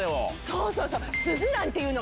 そうそうそう。